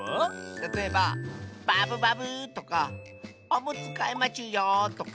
たとえば「バブバブー」とか「おむつかえまちゅよ」とか。